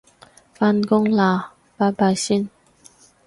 返工喇拜拜先